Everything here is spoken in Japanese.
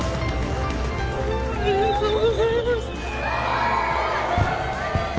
ありがとうございます。